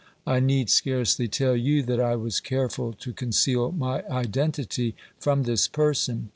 I need scarcely tell you that I was careful to conceal my identity from this person.